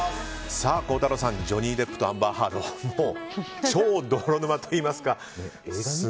孝太郎さんジョニー・デップとアンバー・ハード超泥沼といいますか。